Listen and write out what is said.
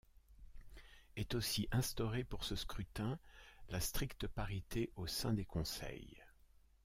Est aussi instauré pour ce scrutin, la stricte parité au sein des conseils.